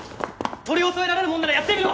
取り押さえられるもんならやってみろ！